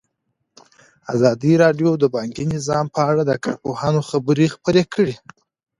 ازادي راډیو د بانکي نظام په اړه د کارپوهانو خبرې خپرې کړي.